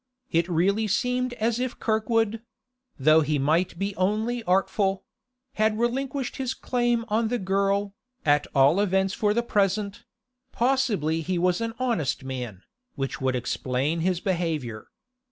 It really seemed as if Kirkwood—though he might be only artful—had relinquished his claim on the girl, at all events for the present; possibly he was an honest man, which would explain his behaviour.